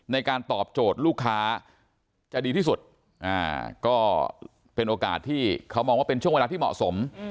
ในการตอบโจทย์ลูกค้าจะดีที่สุดก็เป็นโอกาสที่เขามองว่าเป็นช่วงเวลาที่เหมาะสม